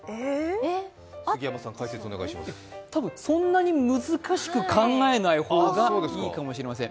たぶん、そんなに難しく考えない方がいいかもしません。